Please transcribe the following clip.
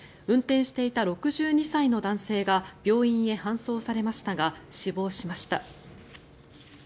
運転していた６２歳の男性が病院に搬送されましたが死亡しました。